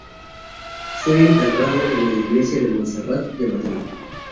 Fue enterrado en la iglesia de Montserrat de Madrid.